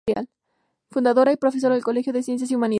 Fundadora y profesora del Colegio de Ciencias y Humanidades.